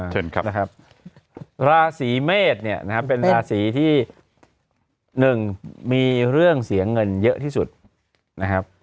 เชิญครับนะครับราศีเมษเนี่ยนะครับเป็นราศีที่๑มีเรื่องเสียเงินเยอะที่สุดนะครับ